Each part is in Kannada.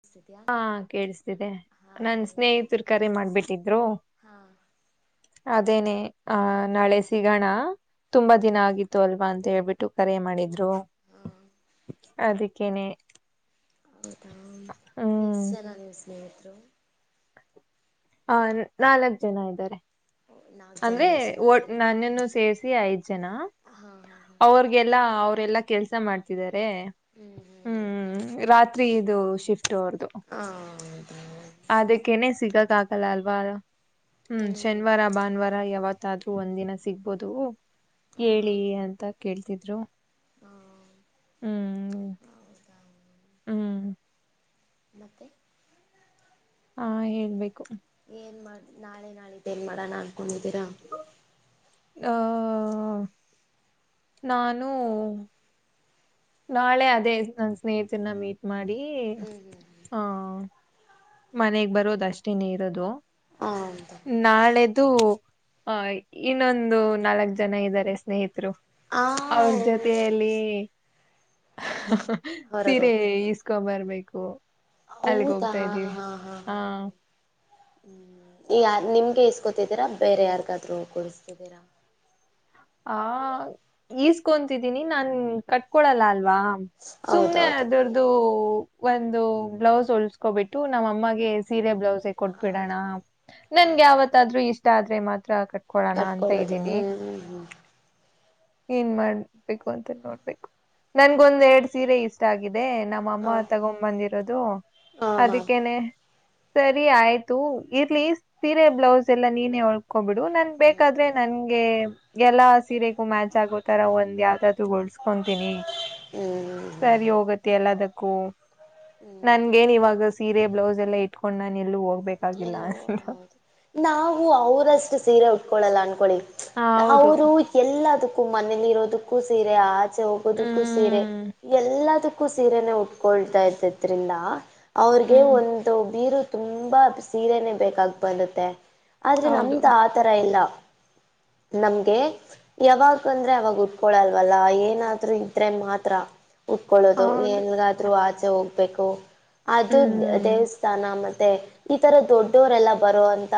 ಕೇಳಿಸ್ತಿದ್ಯಾ ಹಾ ಕೇೇಳಿಸತಿದೆ ಹಾ ನನ್ ಹೇಳಿ ಸ್ನೇಹಿತರು ಕರೆ ಮಾಡ್ಬಿಟ್ಟಿದ್ರು ಹಾ ಅದೇನೆ ಹ ಈ ನಾಳೆ ಸಿಗೋಣ ತುಂಬಾ ದಿನ ಈ ಆಗಿತ್ತು ಅಲ್ವಾ ಅಂತ ಹೇಳ್ಬಿಟ್ಟು ಕರೆ ಮಾಡಿದ್ರು ಹಾ ಅದಕ್ಕೇನೆ ಹೌದಾ ಎಷ್ಟು ಹ್ಮ್ ಜನ ನೀವು ಸ್ನೇಹಿತರು ಹ ನಾಲ್ಕ್ ಜನ ಇದ್ದಾರೆ ನಾಲ್ಕು ಅಂದ್ರೆ ಜನನ ಒ ಸಿಕ್ತಿದ್ದೀರಾ ಹ್ಮ್ ನನ್ನನ್ನು ಸೇರ್ಸಿ ಐದ್ ಜನ ಹಾ ಹಾ ಹಾ ಅವ್ರಗೆಲ್ಲ ಅವ್ರಲ್ಲ ಕೆಲ್ಸ ಮಾಡ್ತಿದ್ದಾರೆ ಹ್ಮ್ ರಾತ್ರಿ ಇದು ಶಿಫ್ಟ್ ೋರ್ದು ಹಾ ಹೌದಾ ಅದಕ್ಕನೆೇ ಸಿಗಕ್ ಆಕಲ್ಲ ಅಲ್ವಾ ಹ್ಮ್ ಶನಿವಾರ ಭಾನುವಾರ ಯಾವತ್ತು ಮತ್ತಾದ್ರು ಒಂದ್ ದಿನ ಸಿಗ್ಬೋದು ಹಾ ಹೇಳಿ ಅಂತ ಕೇಳ್ತಿದ್ರು ಹಾ ಹ್ಮ್ ಹೌದಾ ಹ್ಮ್ ಮತೆ ಹಾ ಹೇಳ್ಬೇಕು ಏನ್ ಮಾಡ ನಾಳೆ ನಾಳಿದ್ದೇನ್ ಮಾಡೋಣ ಅನ್ಕೊಂಡಿದ್ದೀರಾ ಆಹ ನಾನು ನಾಳೆ ಅದೇ ನನ್ ಸ್ನೇಹಿತರನ್ನ ಮೀಟ್ ಮಾಡಿ ಹ್ಮ್ ಹ್ಮ್ ಹ್ಮ್ ಹ ಮನೆಗ್ ಬರೋದ ಅಷ್ಟೇನೆ ಇರೋದು ಹೌದಾ ನಾಳೆದು ಹ ಇನ್ನೊಂದು ನಾಲ್ಕ್ ಜನ ಇದ್ದಾರೆ ಸ್ನೇಹಿತರು ಆ ಅವ್ರ ಜೊತೆಯಲ್ಲಿ ಹೊರಗೆ ಸೀರೆ ಹೋಗ್ತೇವೆ ಇಸ್ಕೊ ಬರ್ಬೇಕು ಅಲ್ಲಿಗೆ ಹೌದಾ ಹೋಗ್ತಾ ಇದ್ದೀವಿ ಹಾ ಹಾ ಹಾ ಹ್ಮ್ ಯ ನಿಮ್ಗೆ ಇಸ್ಕೊತಿದ್ದೀರಾ ಬೇರೆ ಯಾರ್ಗಾದ್ರು ಕುೂಡಸ್ತಿದ್ದೀರಾ ಆ ಈಸ್ಕೊಂತಿದ್ದೀನಿ ನಾ ಕಟ್ಕೊಳಲ್ಲ ಅಲ್ಲ ಅವಾ ಸುಮ್ನೆ ಹೌದೌದು ಅದೊರ್ದು ಹ್ಮ್ ಒಂದು ಬ್ಲೌಸ್ ಉಳಸ್ಕೊಬಿಟ್ಟು ನಮ್ಮ ಅಮ್ಮಗೆ ಸೀರೆ ಬ್ಲೌಸ್ ಕೊಟ್ಬಿಡೋಣ ಹೌದು ಹ ನನ್ಗೆ ಹ ಯಾವತ್ತಾದ್ರೂ ಇಷ್ಟ ಆದ್ರೆ ಮಾತ್ರ ಆ ಕೊಡೋಣ ಅಂತ ಕಟ್ಕೊಳ್ಳೋದು ಇದ್ದೀನಿ ಹ್ಮ್ ಹ್ಮ್ ಹ್ಮ್ ಏನ್ ಮಾಡ್ಬೇಕು ಅಂತ ನೋಡ್ಬೇಕು ನನ್ಗೊಂದ್ ಎರಡ್ ಸೀರೆ ಇಷ್ಟ ಆಗಿದೆ ಅದೇ ನಮ್ಮ ಅಮ್ಮ ಹ ತಗೊ ಬಂದಿರೋದು ಹ ಹಾ ಅದಕ್ಕೇನೆ ಸರಿ ಆಯ್ತು ಇರ್ಲಿ ಸೀರೆ ಬ್ಲೌಸ್ ಎಲ್ಲ ನೀನೇ ಹೊಳ್ಕೋಬಿಟ್ಟು ನನ್ ಬೇಕಾದ್ರೆ ನಂಗೆ ಎಲ್ಲಾ ಸೀರೆಗೂ ಮ್ಯಾಚ್ ಚ್ಚಾಗೋತರ ಒಂದ್ ಯಾವ್ದ್ದೂ ಗಳ್ಸ್ಕೊತೀನಿ ಹ್ಮ್ ಹ್ಮ್ ಸರಿ ಹೋಗತ್ತ ಎಲ್ಲದ ಹ್ಮ್ ಹ್ಮ್ ನನ್ಗೇನ್ ಇವಾಗ ಸೀರೆ ಬ್ಲೌಸ್ ಎಲ್ಲಾ ಇಟ್ಕೊಂಡ್ ನಾನು ಎಲ್ಲ ಹೋಗ ಎಲ್ಲೋ ಹೌದು ನಾವು ಅವರಷ್ಟು ಸೀರೆ ಉಟ್ಕೊಳ್ಳಲ್ಲ ಅನ್ಕ ಹ ಹೌದು ಅವರು ಎಲ್ಲದಕ್ಕೂ ಮನೇಲಿ ಇರೋದಕ್ಕೂ ಸೀರೆ ಆದ ಆಚೆ ಹೋಗೋದಕ್ಕೂ ಸೀರೆ ಹ್ಮ್ ಎಲ್ಲದಕ್ಕೂ ಸೀರೆನೆ ಉಟ್ಕೊಳ್ತಾ ಇದ್ದ ಇದ್ರಿಂದ ಅವ್ರಿಗೆ ಹ್ಮ್ ಒಂದು ಬೀರು ತುಂಬಾ ಸೀರೆನೆೇ ಬೇಕಾಗಿ ಬರುತ್ತೆ ಆದ್ರೆ ಹೌದು ನಮ್ದ ಆ ತರ ಇಲ್ಲ [unintelligible] ನಮ್ಗೆ ಯಾವಾಗ ಅಂದ್ರೆ ಅವಾಗ ಉಟ್ಕೊಳಲ್ವಲ್ಲ ಏನಾದ್ರು ಇದ್ರೆ ಮಾತ್ರ ಉಟ್ಕೊಳ್ಳೋದು ಹೌದು ಎನಗಾದ್ರೂ ಆಚೆ ಹೋಗ್ಬೇಕು ಅದು ಹ್ಮ್ ದೇವಸ್ಥಾನ ಮತ್ತು ಈತರ ದೊಡ್ಡವರೆಲ್ಲ ಬರುವೋಂತ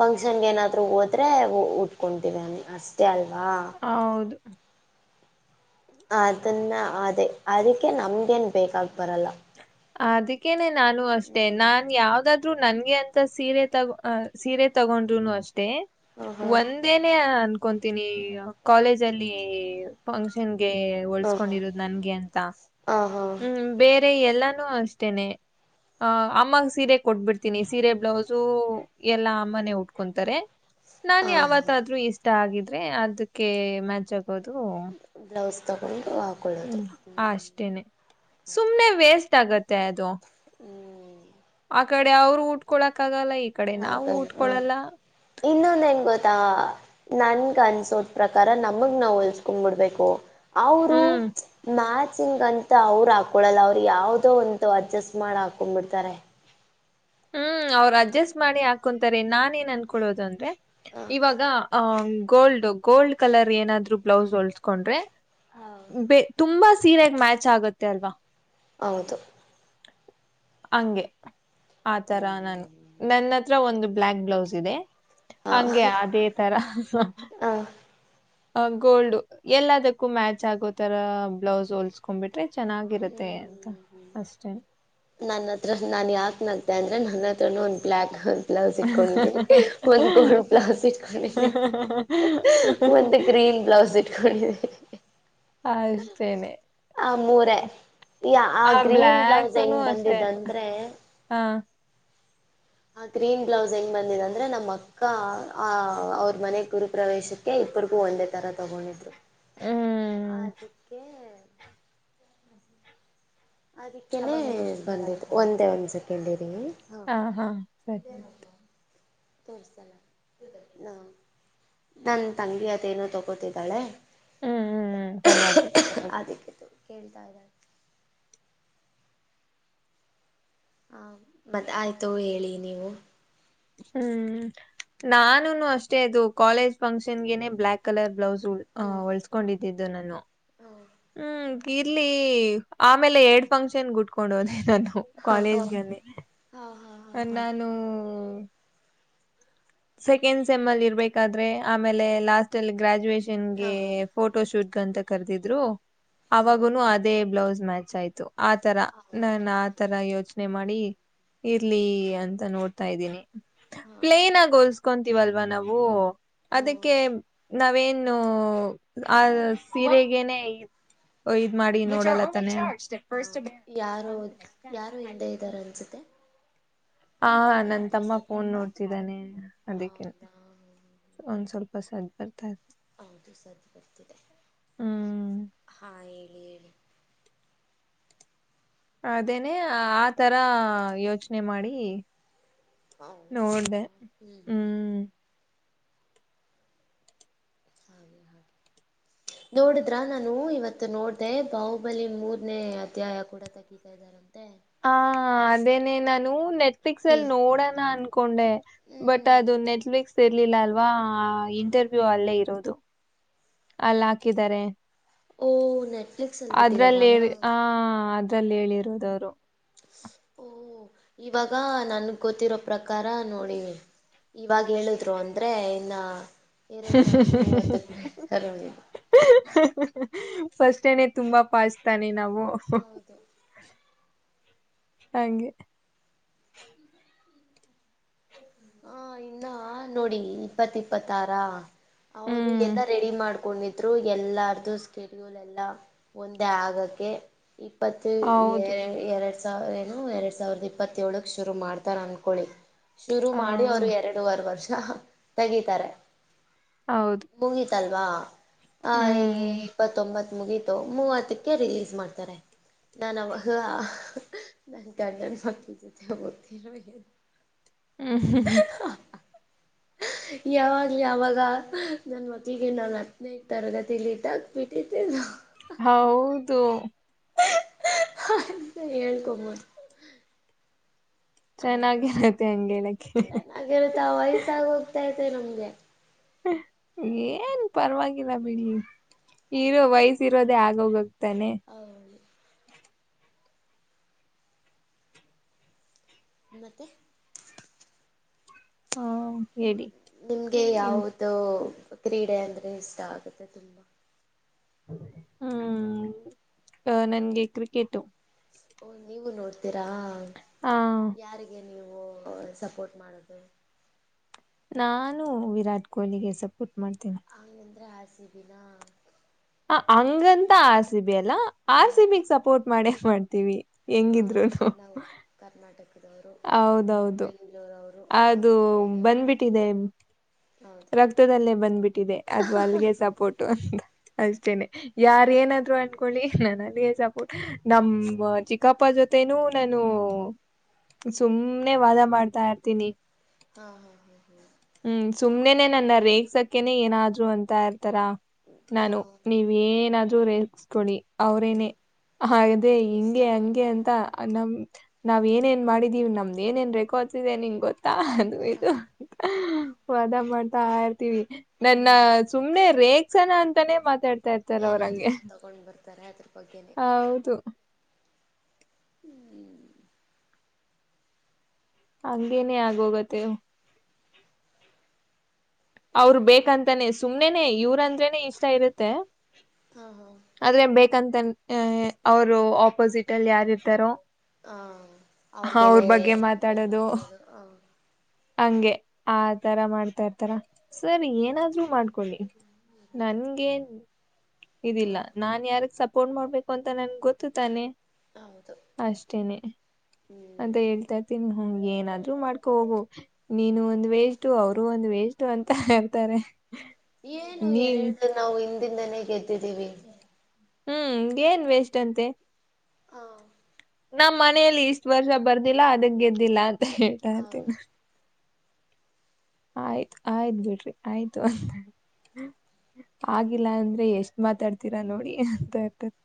ಫಂಕ್ಷನ್ಗೆ ಏನಾದ್ರು ಹೋದ್ರೆ ಉಟ್ಕೊತವಿ ಅಷ್ಟೇ ಅ ಹೌದು ಅದನ್ನ ಅದೇ ಅದಕ್ಕೆ ನಮ್ಗೇನ್ ಬೇಕಾಗ ಬರಲ್ಲ ಅದಕ್ಕೇನೆ ನಾನು ಅಷ್ಟೇ ನಾನ್ ಯಾವ್ದಾದ್ ನಂಗೆ ಅಂತ ಸೀರೆ ತಗ ಸೀರೆ ತಗೊಂಡ್ರುನು ಅಷ್ಟ ಹ ಒಂದೇನೆ ಕೊಂತೀನಿ ಕಾಲೇಜ್ ಅಲ್ಲಿ ಫಂಕ್ಷನ್ ಹಾ ಹ ಊಳ್ಕೊಂಡಿರೋದು ನನ್ಗೆ ಅಂತ ಹಾ ಹ ಹ್ಮೇ ಆದೆ ಎಲ್ಲಾನು ಅಷ್ಟನೆ ಅ ಅಮ್ಮ ಸೀರೆ ಕೊಟ್ಬಿಡ್ತೀನಿ ಸೀರೆ ಬ್ಲೌಸು ಎಲ್ಲಾ ಅಮ್ಮನೇ ಉಟ್ಕೊಂತಾರೆ ನಾನ್ ಹಾ ಹ ಹಾ ಯಾವತ್ತಾದ್ರೂ ಇಷ್ಟ ಆಗಿದ್ರೆ ಅದಕ್ಕೆ ಮ್ಯಾಚ್ ಆಗೋದು ಬ್ಲೌಸ್ ತಗೊಂಡು ಹಾಕೊಳ್ಳೋದು ಹ್ಮ್ ಅಷ್ಟೇನೆ ಸುಮ್ನೆ ವೇಸ್ಟ್ ಆಗತ್ತೆ ಅದು ಆ ಕಡೆ ಅವ್ರು ಉಟ್ಕೊಕ್ ಹಾಗಣ ಹ ಇನ್ನೊಂದ ಹೆಂಗ ಗೊತ್ತು ನನ್ಗೆ ಅನ್ಸೋದ ಪ್ರಕಾರ ನಮಗ್ ನಾವು ಹೊಲ್ಸ್ಕೊಂಡ್ಬಿಡ್ಬೇಕು ಅವರು ಹ್ಮ್ ಮ್ಯಾತ್ ಸಿಂಗ್ ಅಂತ ಅವ್ರು ಹಾಕೊಳಲ್ಲ ಅವ್ರು ಯಾವ್ದೋ ಒಂತ ಅಡ್ಜಸ್ಟ್ ಮಾಡ್ ಹಾಕೊಂಡ್ಬಿಡ್ತಾರೆ ಹ್ಮ್ ಅವ್ರ ಅಡ್ಜಸ್ಟ್ ಮಾಡಿ ಹಾಕೊಂತಾರೆ ನಾನ ಏನ್ ಅನ್ಕೊಳೋದು ಅಂದ್ರೆ ಹ ಇವಾಗ ಆಹ ಗೋಲ್ಡ್ ಗೋಲ್ಡ್ ಕಲರ್ ಏನಾದ್ರು ಬ್ಲೌಸ್ ಹೊಲ್ಸ್ಕೊಂಡ್ರೆ ಬ ತುಂಬಾ ಸೀರೆಗ ಮ್ಯಾಚ್ ಆಗತ್ತೆ ಅಲ್ವಾ ಹೌದು ಹಂಗೆ ಆತರ ನಾನು ನನ್ನ ಹತ್ರ ಒಂದು ಬ್ಲ್ಲಾಕ್ ಬ್ಲೌಸ್ ಇದೆ ಹಾ ಹಂಗೆ ಅದೇ ತರ ಹ ಅ ಗೋಲ್ಡ್ ಎಲ್ಲದಕ್ಕೂ ಮ್ಯಾಚ್ ಆಗೋ ತರ ಬ್ಲೌಸ್ ಹೋಲ್ಸ್ಕೊ್ಬಿಟ್ಟು ಚೆನ್ನಾಗಿರುತ್ತೆ ಅಂತ ಅಷ್ಟೇ ನನ್ನ ಹತ್ರ ನಾನ್ ಯಾಕ ನತೆೆ ಅಂದ್ರೆ ನನ್ನ ಹತ್ರ ಒಂದ ಬ್ಲ್ಯಾಕ್ ಬ್ಲೌಸ್ ಇಟ್ಕೊಂಡರಿ ಮ ಕಡ ಬ್ಲೌಜ ಇಟ್ಕೊಂಡ ಒಂದು ಗ್ರೀನ್ ಬ್ಲೌಸ್ ಇಟ್ಕೊಂಡಿದ್ವಿ ಅಷ್ಟೇನೆ ಆ ಮೂರ ಈ ಆ ಗ್ರೀನ್ ಬ್ಲೌಸ್ ಹೆಂಗ್ ಬಂದಿದ್ದಂದ್ರೆ ಹಾ ಆ ಗ್ರೀನ್ ಬ್ಲೌಸ್ ಹೆಂಗ್ ಬಂದಿದೆ ಅಂದ್ರೆ ನಮ್ಮ ಅಕ್ಕ ಆ ಅವ್ರ ಮನೆ ಗುರುಪ್ರವೇಶಕ್ಕೆ ಇಬ್ರಿಗೂ ಒಂದೇ ತರ ತಗೊಂಡಿದ್ರು ಹ್ಮ್ ಅದಕ್ಕೆ ಅದಕ್ಕನೆ ಬಂದು ಒಂದೇ ಒಂದ್ ಸೆಕೆಂಡ್ ಇದೀ ಹಾ ಹಾ ಸರಿ ಆಯ್ತು ತೋ ನನ್ ತಂಗಿ ಅದೇನೋ ತಗೋತಿದ್ದಾಳೆ ಹ್ಮ್ ಹ್ಮ್ ಹ್ಮ್ ಪರವಾಗಿಲ್ಲ ಪರವಾಗಿಲ್ಲ ಅದಕ್ಕೆ ಕೇಳ್ತಾ ಇದ ಹ ಮತ್ ಆಯ್ತು ಹೇಳಿ ನೀವು ಹ್ಮ್ ನಾನು ಅಷ್ಟೇ ಅದು ಕಾಲೇಜ್ ಫಂಕ್ಷನ್ ಗೆನೆ ಬ್ಲಯಾಕ್ ಕಲರ್ ಬ್ಲೌಸ್ ಆ ಹ್ಮ್ ಹೊಳ್ಸ್ಕೊಂಡಿದ್ದಿದ್ದು ನಾನು ಹ್ಮ್ ಇರ್ಲಿ ಆಮೇಲೆ ಎರಡ್ ಫಂಕ್ಷನ್ ಗುಟ್ಕೊಂಡು ಹೋದಿ ನಾನು ಹಾಂ ಹಾಂ ಕಾಲೇಜ್ಗಿ ಹಾಂ ಹಾಂ ಹಾಂ ನಾನು ಸೆಕೆಂಡ್ ಸೆಮ್ ಅಲ್ಲಿ ಇರ್ಬೇಕಾದ್ರೆ ಆಮೇಲೆ ಲಾಸ್ಟ್ ಅಲ್ಲಿ ಗ್ರಾಜುಯೇಷನ್ಗೆ ಹಾಂ ಹಾಂ ಫೋಟೋ ಶೂಟ್ ಅಂತ ಕರೆದಿದ್ರು ಹಾಂ ಹಾಂ ಹಾಂ ಅವಾಗನು ಅದೇ ಬ್ಲೌಸ್ ಮ್ಯಾಚ್ ಆಯ್ತು ಆ ತರ ನಾನು ಆ ತರ ಯೋಚನೆ ಮಾಡಿ ಇರ್ಲಿ ಅಂತ ನೋಡ್ತಾ ಇದ್ದೀನಿ ಹಾಂ ಪ್ಲೇನ್ ಆಗಿ ಹೊಲ್ಸ್ಕೊತೀವಲ್ವಾ ನಾವು ಹಾಂ ಅದಕ್ಕೆ ಹೌದು ನಾವೇನ್ ಇನ್ನು ಆ ಸೀರೆಗನೆೇ ಇದ್ ಮಾಡಿ ನೋಡಲ್ಲ ತಾನೆ ಹೌದು ಯಾರೋ ಯಾರೋ ಹಿಂದೆ ಇದ್ದಾರೆ ಅನಿಸುತ್ತೆ ಅ ಹಾ ನನ್ ಯಾರ್ದೋ ತಮ್ಮ ಸದ್ದು ಫೋನ್ ಬರ್ತಿದೆ ನೋಡ್ತಿದ್ದಾನೆ ಅದಕ್ಕೆ ಹೌದಾ ಒಂದ್ ಸ್ವಲ್ಪ ಸಧ್ಯ ಹೌದು ಸಧ್ಯ ಬರ್ತಿದೆ ಹ್ಮ್ ಹಾ ಹೇಳಿ ಹೇಳಿ ಅದೇನೆ ಆತರ ಯೋಚನೆ ಮಾಡಿ ಹ್ಮ್ ನೋಡ್ದೆ ಹ್ಮ್ ಹ್ಮ್ ಹ್ಮ [unintelligible] ನೋಡಿದ್ರ ನಾನು ಇವತ್ತು ನೋಡ್ದೆ ಬಾಹುಬಲಿ ಮೂರ್ನೇ ಅಧ್ಯಾಯ ಕೂಡ ತಗೀತಾ ಇದ ಹ ಅದೇನೆ ನಾನು ನ ನೆಟ್ಫ್ಲಿಕ್ಸ್ ಹ್ಞೂ ಅಲ್ಲಿ ನೋಡೋಣ ಅನ್ಕೊಂಡೆ ಬಟ್ ಹ್ಞೂ ಅದು ನೆಟ್ಫಕ್ಸ್ ಇರ್ಲಿಲ್ಲ ಅಲ್ವಾ ಹ ಇಂಟರ್ವ್ಯೂ ಅಲ್ಲೇ ಇರೋದು ಅಲ್ಲ ಹಾಕಿದ್ದಾರೆ ಓ ನೆಟ್ಫ್ಲಿಕ್ಸಲ್ಲಿ ಅದ್ರಲ್ಲಿ ಬಿಟ್ಟಿದ್ದಾರಾ ಹ ಲ್ಲಿ ಹೇಳಿರೋದವರು ಓ ಇವಾಗ ನನ್ಗ್ ಗೊತ್ತಿರೋ ಪ್ರಕಾರ ನೋಡಿ ಇವಾಗ ಹೇಳುದ್ರು ಅಂದ್ರೆ ಇನ್ನ ಹು ಹು ಹು ಇದು ಹ್ಞ ಫಸ್ಟೇನೆ ತುಂಬಾ ಪಾಸ್ಟ್ ತಾನೆ ನಾವು ಹೌದು ಹಾಗೆ ಹಾ ಇನ್ನ ನೋಡಿ ಇಪ್ಪತ್ ಇಪ್ಪತ್ತಾರ ಅವರು ಹ್ಮ್ ಎಲ್ಲಾ ರೆಡಿ ಮಾಡ್ ಹಕೊಂಡಿದ್ರು ಎಲ್ಲಾರ್ದು ಸ್ಕೆಡ್ಯೂಲ್ ಎಲ್ಲ ಒಂದೇ ಆಗಕ್ಕೆ ಇಪ್ಪತ್ತು ಎ ಹೌದು ಎರಡು ವ ಏನು ಎರಡ್ ಸಾವಿರದ ಇಪ್ಪತ್ತ ಏಳ್ಕ್ ಶುರು ಮಾಡ್ತಾರ ಅನ್ಕೊಳಿ ಶುರು ಆ ಮಾಡಿ ಅವ್ರು ಎರಡೂುವರೆ ವರ್ಷ ತೆಗಿತಾರೆ ಹೌದು ಮುಗಿತಲ್ವಾ ಆ ಹ್ಮ್ ಇಪ್ಪತ್ತೊಂಬತ್ತು ಮುಗೀತು ಮೂವತ್ತಕ್ಕೆ ರಿಲೀಸ್ ಮಾಡ್ತಾರೆ ನಾನ್ ಅವಹ ನನ್ ಗಡನ್ ಮಕ್ಕಿ ಜೊತೆ ಗೊತ್ತರಬೇಕ ಹ್ಮ್ ಹ [unintelligible] [unintelligible] ಯಾವಾಗ್ ಯಾವಾಗ ನನ್ ಮಕ್ಳಿಗೆ ನಾ ಹತ್ತನೈದ ತರಗತಿಟ್ ಹಾಕ್ಬಿಟ್ಟಿದ್ದೆ ಹೌದು ಹಳ್ಕೊಬದು ಚೆನ್ನಾಗಿರುತ್ತೆ ಹಂಗ ಚೆನ್ನಾಗಿರುತ್ತಾ ವಯಸ್ಸಾಗಿ ಹೋಗ್ತತೆ ನಮ್ಗೆ ಏನ್ ಪರವಾಗಿಲ್ಲ ಬಿಡಿ ಇರೋ ವಯಸ ಇರೋದೇ ಆಗೋಗಕ್ ತನೆ ಹೌದು ಮತ್ತೆ ಹಾ ಹ್ಮ ಹೇಳಿ ನಿಮ್ಗೆ ಹ್ಮ್ ಯಾವವುದೋ ಕ್ರೀಡೆ ಅಂದ್ರೆ ಇಷ್ಟ ಆಗುತ್ತೆ ತುಂಬಾ ಹ್ಮ್ ಅ ನನ್ಗೆ ಕ್ರಿಕೆಟು ಓ ನೀವು ನೋಡ್ತೀರಾ ಹಾ ಯಾರಿಗೆ ನೀವು ಸಪೋರ್ಟ್ ಮಾಡದು ನಾನು ವಿರಾಟ್ ಕೊಹ್ಲಿಗೆ ಸಪುಟ್ ಅಂಗಂದ್ರೆ ಆಸಿಬಿನಾ ಹ ಹಂಗಂತ ರ ಸಿ ಬಿ ಲ್ಲ ಆರ್ ಇಲ್ಲದೆ ಸಿಮಗ್ ಸಪೋರ್ಟ್ ಮಾಡೇ ಮಾಡ್ತೀವಿ ಹೆಂಗಿದ್ರುನು ನಾವು ಕರ್ನಾಟಕದವರು ಹೌದೌದು ಬೆಂಗಳೂರವರು ಆರ್ ಅದು ಸಿ ಬಿಗೆ ಮಾಡಿದ್ವಿ ಬಂದ್ಬಿಟ್ಟಿದೆ ಹೌದು ರಕ್ತದಲ್ಲೇ ಬಂದ್ಬಿಟ್ಟಿದೆ ಅದು ಅಲ್ಗೆಗೆ ಸಪೋರ್ಟು ಅಂತ ಅಷ್ಟೇನೆ ಯಾರ ಏನಾದ್ರು ಅನ್ಕೊಳ್ಳಿ ನಾನ ಅಲ್ಲಿಯೇ ಸಪೋರ್ಟ್ ನಮ್ಮ ಚಿಕ್ಕಪ್ಪ ಜೊತೆ [unintelligible] ನಾನು ಸುಮ್ನೆ ವಾದ ಮಾಡ್ತಾ ಇರ್ತೀನಿ ಹಾ ಹಾ ಹಾ ಹ್ಮ್ ಸುಮ್ನೆನೆೇ ನನ್ನ ರೇಗ್ಸಕ್ಕನೆ ಏನಾದ್ರು ಅಂತ ಇರ್ತಾ ರಾ ನಾನು ಹಾಂ ನೀವು ಏನಾದ್ರೂ ರೇಗುಸ್ಕೊಳಿ ಹ್ಞೂ ಅವ್ರೇನೆೇ ಹಾಗೆ ನನಗಿಷ್ಟ ಹಿಂಗೆ ಹಂಗೆ ಹ್ಞೂ ಅಂತ ನಮ ನಾವ್ ಏನೇನ್ ಮಾಡಿದೀವಿ ನಮ್ದ್ ಏನೇಏನ್ ರೆಕಾರ್ಡ್ಸ್ ಇದೆ ನಿಂಗ ಗೊತ್ತಾ ಅದು ಇದು ವಾದ ಮಾಡ್ತಾ ಇರ್ತೀವಿ ನನ್ನ ಹ್ಞೂ ಸುಮ್ನೆ ರೇಗ್ ಅಂತಾನೇ ಮಾತಾಡ್ತ ಏನಾದ್ರೂ ತಗೊಂಡ್ ಬರ್ತಾರೆ ಅದ್ರ ಬಗ್ಗೆನೆ ಹೌದು [inaudible] ಹಂಗೇನೇ ಆಗೋಗತ್ತೆ ಅವ್ರ ಬೇಕಂತಾನೇ ಸುಮ್ನೆನೆ ಇವ್ರಂದ್ರೇನೆ ಇಷ್ಟ ಇರುತ್ತೆ ಹಾ ಹಾ ಥೇನ್ ಅವರು ಆಪೋಸಿಟ್ ಅಲ್ಲಿ ಯಾರ ಇರ್ತಾರೋ ಹಾ ಅವ್ರಗೇನೆೇ ಮಾತಾಡೋದು [unintelligible] ಹ ಹಂಗೆ ಆ ತರ ಮಾಡ್ತಾ ಇರ್ತಾರ ಸರಿ ಏನಾದ ಮಾಡ್ಕೊಳಿ ನನ್ಗೆ ಇದಿಲ್ಲ ಹಾಂ ನಾನ್ ಯಾರಿಗ್ ಸಪೋರ್ಟ್ ಕೊಂಡ್ ಮಾಡ್ಬೇಕು ಅಂತ ನನ್ಗೆ ಗೊತ್ತು ತಾನೆ ಹೌದು ಅಷ್ಟೇನೆನೆ ಅಂತ ಹ್ಞೂ ಹೇಳ್ತಾರ್ತೀನಿ ಏನಾದ್ರು ಮಾಡ್ಕೊ ಹೋಗು ನೀನು ಒಂದ್ ವೇಷ್ಟು ಅವರು ಒಂದ್ ವೇಷ್ಟಟ್ ಅಂತ ಇರ್ತಾರೆ ಏನು ಎರಡು ನಾವು ಹಿಂದಿಂದನೇ ಗೆದ್ದಿದ್ದೀವಿ ಹ್ಮ್ ಏನ್ ವೇಸ್ಟ್ ಅಂತೆ ಹಾ ನಮ್ಮ್ ಮನೆಯಲ್ಲಿ ಇಷ್ಟು ವರ್ಷ ಬರ್ದಿಲ್ಲ ಅದುಕ್ ಗೆದ್ದಿಲ್ಲ ಅಂತ ಹೇಳ್ತಾ ಹೌದು ಇರ್ತೀನಿ ಆಯ್ತ್ ಆಯ್ತ್ ಬಿಡ್ರಿ ಆಯ್ತು ಆಗಿಲ್ಲ ಅಂದ್ರೆ ಎಷ್ಟ್ ಮಾತಾಡ್ತೀರಾ ನೋಡಿ ಅಂತ ಇರ್ತರೆ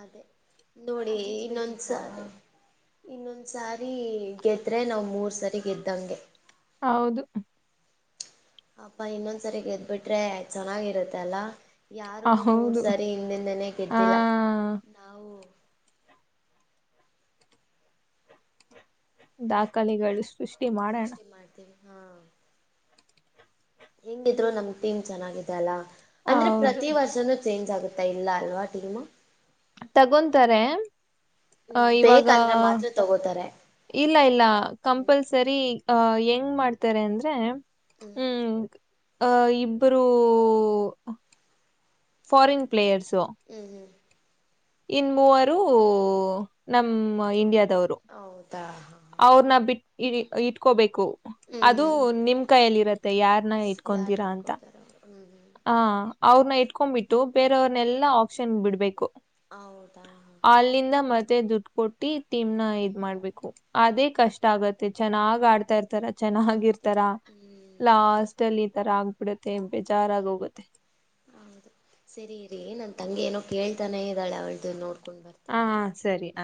ಅದೇ ನೋಡಿ ಇನ್ನೊಂದಸಾರಿ ಇನ್ನೊಂದ್ ಸಾರಿ ಗೆದ್ರೆ ನಾವ್ ಮೂರ್ ಸಾರಿ ಗೆದ್ದಂಗೆ ಹೌದು ಅಪಾ ಇನ್ನೊಂದ್ಸರಿ ಗೆದ್ಬಿಟ್ರೆ ಚೆನ್ನಾಗಿರುತ್ತೆಲ್ಲಾ ಯಾರುನು ಮೂರ್ ಹೌದು ಸರಿ ಹಿಂದಿಂದನೆೇ ಹಾ ಗೆದಿಲ್ಲ ನಾವು ದಾಖಲೆಗಳು ಸೃಷ್ಟಿ ಮಾಡೋಣ ಸೃಷ್ಟಿ ಮಾಡ್ತೀವಿ ಹಾ ಹೆಂಗಿದ್ರು ನಮ್ ಟೀಮ್ ಚೆನ್ನಾಗಿದೆ ಅಲ್ಲ ಅಂದ್ರೆ ಹೌದು ಪ್ರತಿ ವರ್ಷನುೂ ಚೇಂಜ್ ಆಗುತ್ತಾ ಇಲ್ಲ ಅಲ್ವಾ ಟೀಮು ತಗೊಂತಾರೆ ಅ ಹ್ಮ್ ಇವಾಗ ಬೇಕಂದ್ರೆ ಮಾತ್ರ ತಗೋತಾರೆ ಇಲ್ಲ ಇಲ್ಲ ಹ್ಮ್ ಕಂಪಲ್ಸರಿ ಅಹ ಹೆಂಗ್ ಮಾಡ್ತಾರೆ ಅಂದ್ರೆ ಹ್ಮ್ ಹ್ಮ ಅ ಇಬ್ಬರುೂ ಫಾರಿನ್ ಪ್ಲೇಯರ್ಸ್ ಹು ಹು ಇನ್ ಮೂವರು ನಮ್ಮ ಇಂಡಿಯ ರು ಹೌದಾ ಹಾ ಅವ್ರನ್ನ ಬಿಟ್ ಇಟ್ಕೋಬೇಕು ಹ್ಮ್ ಅದು ಹ್ಮ್ ನಿಮ್ ಕೈಯಲ್ಲಿ ಇರತ್ತೆ ಯಾರ್ನ ಯಾರು ಇಟ್ಕೊತೀರಾ ಅಂತ ಹೇಳ್ಕೋತಾರೋ ಹ್ಮ್ ಹ್ಮ್ ಆ ಅವ್ರನ್ನ ಇಟ್ಕೊಂಡ್ಬಿಟ್ಟು ಬೇರೆಯವ್ರನೆೆಲ್ಲಾ ಆಪ್ಷನ್ ಬಿಡ್ಬೇಕು ಹೌದಾ ಹಾ ಹಾ ಅಲ್ಲಿಂದ ಮತ್ತೆ ದುಡ್ ಕೊಟ್ಟಿಮ್ ನ ಇದ್ ಮಾಡ್ಬೇಕು ಅದೇ ಕಷ್ಟ ಆಗತ್ತೆ ಚೆನ್ನಾಗ್ ಆಡ್ತಾ ಇರ್ತಾರ ಹಾ ಹೌದು ಚೆನ್ನಾಗಿರ್ತಾರ ಹ್ಮ್ ಲಾಸ್ಟ್ ಅಲ್ಲಿ ಈ ತರ ಆಗ್ಬಿಡುತ್ತೆ ಬೇಜಾರಾಗ ಹೋಗುತ್ತೆ ಹೌದು ಸರಿ ರರಿ ನನ್ ತಂಗಗೆ ಏನೋ ಕೇಳ್ತಾನೇ ಇದ್ದಾಳೆ ಅವಳ್ದು ನೋಡ್ ಕೊಂಡು ಹಾ ಬರ್ತೀನಿಯ ಸರಿ. ಹ್